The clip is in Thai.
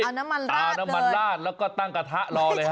เอาน้ำมันลาดแล้วก็ตั้งกระทะรอเลยฮะ